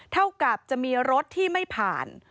เท่ากับจะมีรถที่ไม่ผ่าน